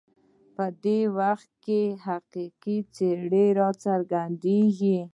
په دې وخت کې یې حقیقي څېره راڅرګندېږي.